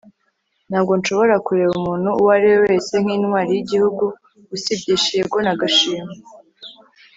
Ntabwo nshobora kureba umuntu uwo ari we wese nkintwari yigihugu usibye Shigeo Nagashima